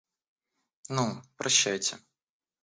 Ну, прощайте.